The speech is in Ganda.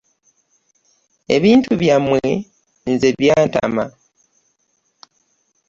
Ebintu byammwe nze byantama.